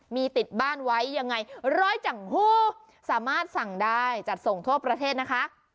มีติดบ้านไว้ยังไงร้อยจังฮูสามารถสั่งได้จัดส่งทั่วประเทศนะคะ